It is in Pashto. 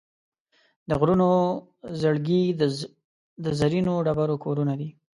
د غرونو زړګي د زرینو ډبرو کورونه دي.